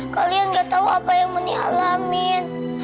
kalian gak tau apa yang meni alamin